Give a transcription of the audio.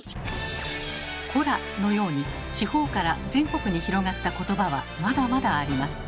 「コラ」のように地方から全国に広がった言葉はまだまだあります。